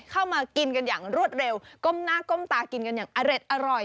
เข้ามากินกันอย่างรวดเร็วก้มหน้าก้มตากินกันอย่างอร็ดอร่อย